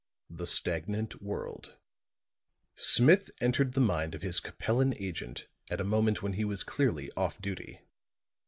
IX THE STAGNANT WORLD Smith entered the mind of his Capellan agent at a moment when he was clearly off duty.